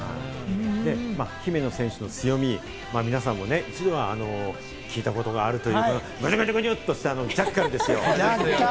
姫野選手の強み、皆さんも一度は聞いたことがあると思う、あのグニュグニュグニュっとしたジャッカルですよ。